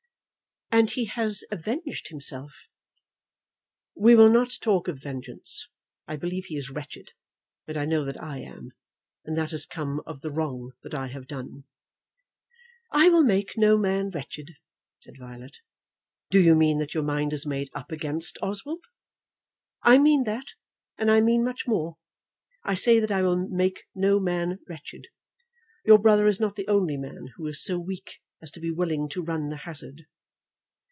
"And he has avenged himself." "We will not talk of vengeance. I believe he is wretched, and I know that I am; and that has come of the wrong that I have done." "I will make no man wretched," said Violet. "Do you mean that your mind is made up against Oswald?" "I mean that, and I mean much more. I say that I will make no man wretched. Your brother is not the only man who is so weak as to be willing to run the hazard."